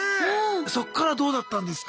そっからどうだったんですか？